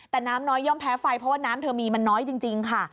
แต่น้ำน้อยย่อมแพ้ไฟเพราะว่าน้ำเธอมีมันน้อยจริงค่ะ